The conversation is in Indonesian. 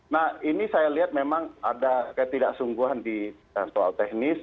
nah ini saya lihat memang ada ketidaksungguhan di soal teknis